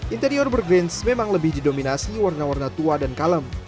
interior burgrins memang lebih didominasi warna warna tua dan kalem